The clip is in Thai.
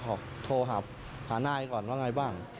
ขอโทรหาหาหน้าก่อนว่าไงบ้าง